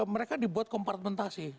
mereka dibuat kompartmentasi